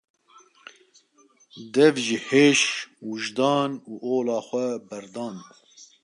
Dev ji heş, wijdan û ola xwe berdan.